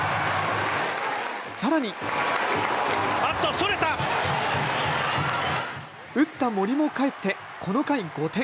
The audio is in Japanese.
さらに打った森も帰ってこの回５点。